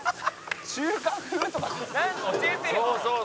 「中華風とかなんか教えてよ！」